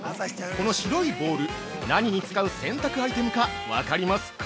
この白いボール、何に使う洗濯アイテムか、分かりますか？